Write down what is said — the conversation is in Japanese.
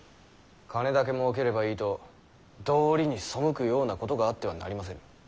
金だけもうければいいと道理に背くようなことがあってはなりませぬ。